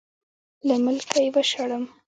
له ملکه یې وشړم.